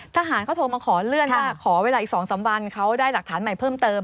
ทหารเขาโทรมาขอเลื่อนว่าขอเวลาอีก๒๓วันเขาได้หลักฐานใหม่เพิ่มเติม